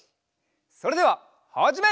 それでははじめ！